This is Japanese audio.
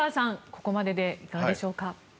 ここまでいかがでしょうか。